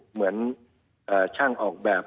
เหมือนช่างออกแบบ